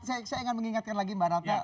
saya ingat mengingatkan lagi mbak rata